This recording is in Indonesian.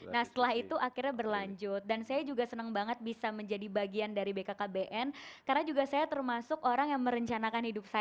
nah setelah itu akhirnya berlanjut dan saya juga senang banget bisa menjadi bagian dari bkkbn karena juga saya termasuk orang yang merencanakan hidup saya